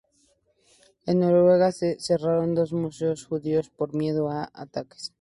En Noruega, se cerraron dos museos judíos por miedo a ataques.